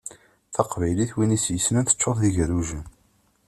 Taqbaylit, win i s-yessnen, teččur d igerrujen.